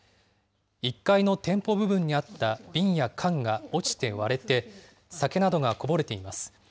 １階の店舗部分にあった瓶や缶が落ちて割れて、酒などがこぼれています。